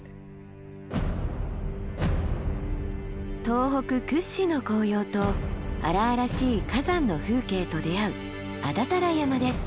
東北屈指の紅葉と荒々しい火山の風景と出会う安達太良山です。